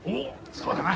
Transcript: そうだな。